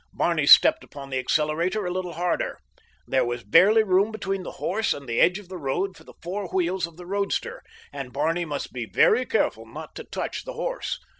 Barney stepped upon the accelerator a little harder. There was barely room between the horse and the edge of the road for the four wheels of the roadster, and Barney must be very careful not to touch the horse.